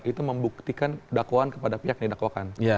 itu membuktikan dakwaan kepada pihak yang didakwakan